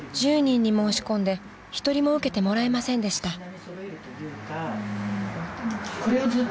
１０人に申し込んで一人も受けてもらえませんでした］